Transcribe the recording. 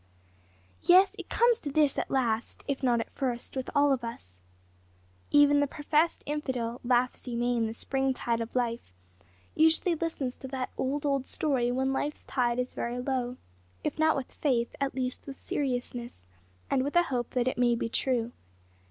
Yes, it comes to this at last, if not at first, with all of us. Even the professed infidel, laugh as he may in the spring tide of life, usually listens to that "old, old story" when life's tide is very low, if not with faith at least with seriousness, and with a hope that it may be true.